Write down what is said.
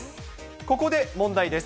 ここで問題です。